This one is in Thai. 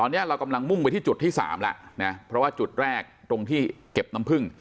เรากำลังมุ่งไปที่จุดที่๓ละนะเพราะว่าจุดแรกตรงที่เก็บน้ำพึ่ง